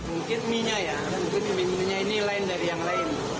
mungkin mie nya ya mungkin mie mie nya ini lain dari yang lain